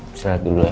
bisa lihat dulu ya